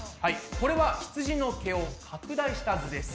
これはひつじの毛を拡大した図です。